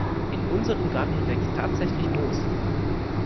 In unserem Garten wächst tatsächlich Moos.